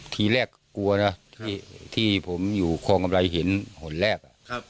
ทีแรกกลัวนะที่ผมอยู่คลองกำไรเห็นหนแรก